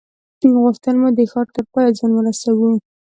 غوښتل مو د ښار تر پایه ځان ورسوو.